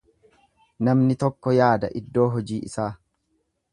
Namni tokko yaada iddoo hojii isaa.